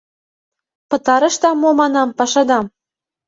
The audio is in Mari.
— Пытарышда мо, манам, пашадам?